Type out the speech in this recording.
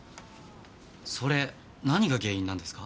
それ何が原因なんですか？